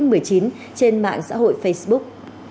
trên mạng xã hội facebook